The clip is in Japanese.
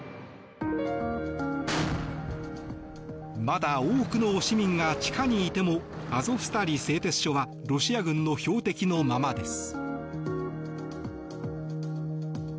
まだ多くの市民が地下にいてもアゾフスタリ製鉄所はロシア軍の標的のままです。